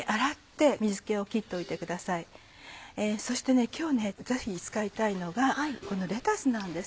そして今日ぜひ使いたいのがこのレタスなんです。